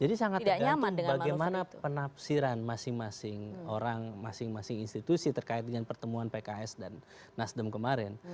jadi sangat tergantung bagaimana penafsiran masing masing orang masing masing institusi terkait dengan pertemuan pks dan nasdem kemarin